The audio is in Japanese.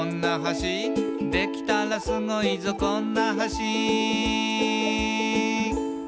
「できたらスゴいぞこんな橋」